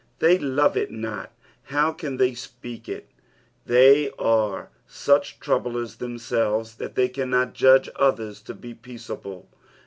They lovo it not ; how can they speak it ? Tliey are such troublets themselves that they cannot judge others to be peace. able.